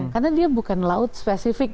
karena dia bukan laut spesifik